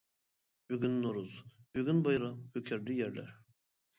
بۈگۈن نورۇز، بۈگۈن بايرام، كۆكەردى يەرلەر.